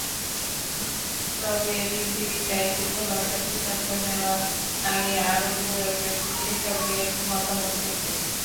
তবে বিসিবি চাইছে চূড়ান্ত সিদ্ধান্ত নেওয়ার আগে আরও দু-একজন বিশেষজ্ঞের মতামত নিতে।